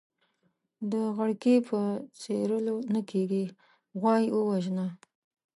د غړکي په څيرلو نه کېږي ، غوا يې ووژنه.